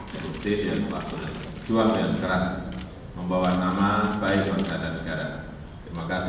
yang melakukan perjuangan keras membawa nama baik masyarakat dan negara